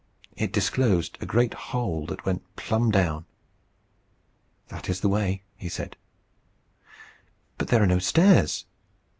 It disclosed a great hole that went plumb down. "That is the way," he said. "But there are no stairs."